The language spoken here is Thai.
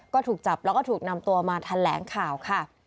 ก็ถูกจับแล้วก็ถูกนำตัวมาแถลงข่าวค่ะ